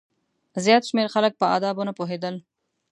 زیات شمېر خلک په آدابو نه پوهېدل.